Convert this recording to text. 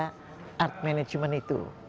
saya berkutat pada art management itu